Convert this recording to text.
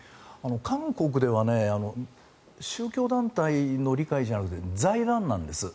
韓国では宗教団体の理解じゃなくて財団なんです。